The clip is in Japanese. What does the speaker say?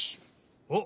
おっ！